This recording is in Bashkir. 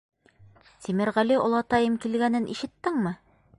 — Тимерғәле олатайым килгәнен ишеттеңме?